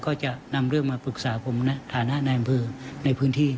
ก็จะนำเรื่องมาปรึกษาผมในฐานะนายอำเภอในพื้นที่